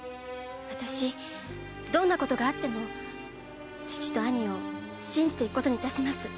私どんなことがあっても父と兄を信じていくことにいたします。